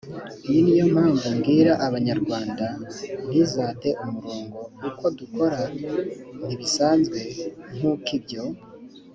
iyi ni yo mpamvu mbwira abanyarwanda ntizate umurongo uko dukora ntibisanzwe nk uko ibyo